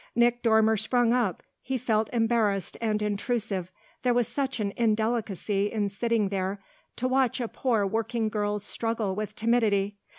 Nick Dormer sprung up; he felt embarrassed and intrusive there was such an indelicacy in sitting there to watch a poor working girl's struggle with timidity.